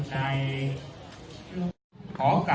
สวัสดีทุกคน